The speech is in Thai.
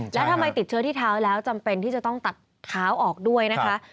แล้วทำไมติดเชื้อที่เท้าแล้วจำเป็นที่จะต้องตัดเท้าออกด้วยนะคะ